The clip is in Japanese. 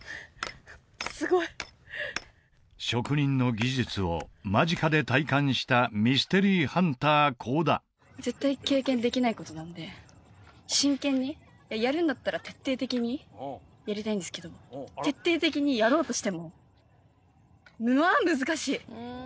すごい職人の技術を間近で体感したミステリーハンター神田絶対経験できないことなんで真剣にやるんだったら徹底的にやりたいんですけど徹底的にやろうとしてもまあ難しい！